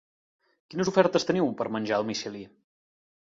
Quines ofertes teniu per a menjar a domicili?